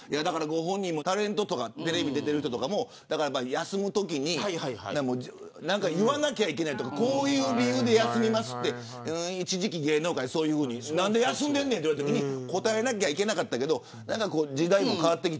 ご本人もタレントとかテレビ出ている人とかも休むときに何か言わなきゃいけないとかこういう理由で休みますと一時期、芸能界は何で休んでんねんと言われたときに答えなきゃいけなかったけど。